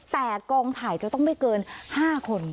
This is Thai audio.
แต่กองถ่ายจะต้องไม่เกิน๕คน